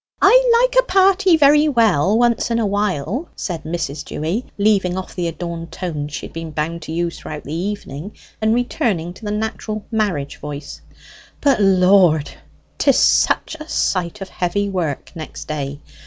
"I like a party very well once in a while," said Mrs. Dewy, leaving off the adorned tones she had been bound to use throughout the evening, and returning to the natural marriage voice; "but, Lord, 'tis such a sight of heavy work next day!